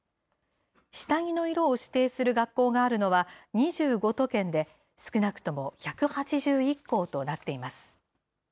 下着の色を指定する学校があるのは、２５都県で少なくとも１８１校となっています。